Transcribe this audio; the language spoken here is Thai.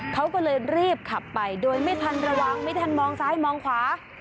เขาก็เลยรีบขับไปโดยไม่ทันระวังไม่ทันมองซ้ายมองขวา